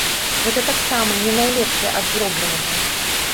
Гэта таксама не найлепшае ад зробленага.